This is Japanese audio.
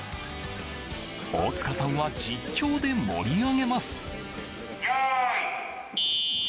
大塚さんは実況で盛り上げます。